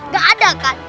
gak ada kan